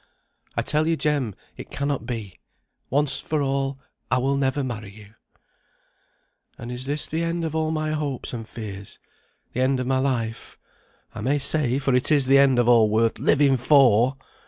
"I tell you, Jem, it cannot be. Once for all, I will never marry you." "And is this the end of all my hopes and fears? the end of my life, I may say, for it is the end of all worth living for!"